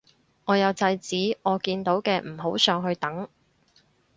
我有制止我見到嘅唔好上去等